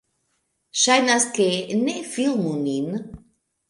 Ŝajnas, ke... - Ne filmu nin!